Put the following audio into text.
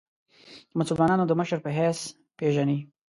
د مسلمانانو د مشر په حیث پېژني.